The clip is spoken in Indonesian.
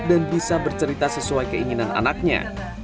dan bisa bercerita sesuai keinginan anaknya